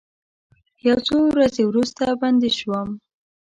یو څو ورځې وروسته بندي شوم.